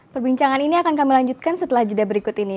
perbincangan ini akan kami lanjutkan setelah jeda berikut ini